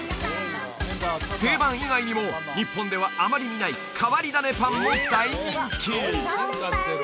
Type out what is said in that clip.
定番以外にも日本ではあまり見ない変わり種パンも大人気！